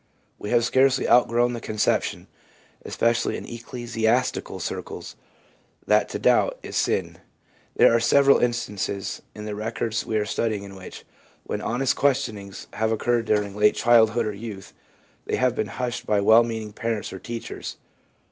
We have scarcely outgrown the conception, especially in ecclesiastical circles, that to doubt is sin. There are several instances 1 Clouston, Neuroses, p. 115. 242 THE PSYCHOLOGY OF RELIGION in the records we are studying in which, when honest questionings have occurred during late childhood or youth, they have been hushed by well meaning parents or teachers.